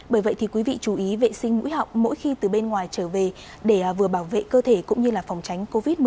bởi vậy thì quý vị chú ý vệ sinh mũi họng mỗi khi từ bên ngoài trở về để vừa bảo vệ cơ thể cũng như là phòng tránh covid một mươi chín